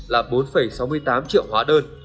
là bốn sáu mươi tám triệu hóa đơn